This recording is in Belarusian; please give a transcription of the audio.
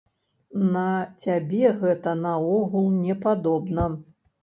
На цябе гэта наогул не падобна.